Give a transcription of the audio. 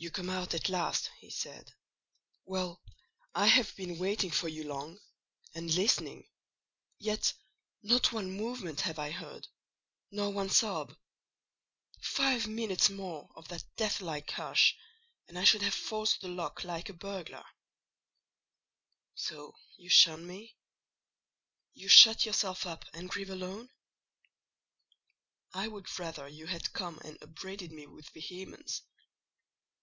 "You come out at last," he said. "Well, I have been waiting for you long, and listening: yet not one movement have I heard, nor one sob: five minutes more of that death like hush, and I should have forced the lock like a burglar. So you shun me?—you shut yourself up and grieve alone! I would rather you had come and upbraided me with vehemence.